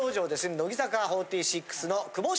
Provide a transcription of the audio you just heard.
乃木坂４６の久保史